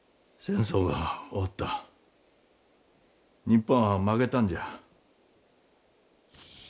日本は負けたんじゃ。